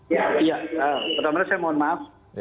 ya pertama saya mohon maaf